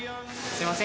すいません。